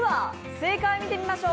正解を見てみましょう。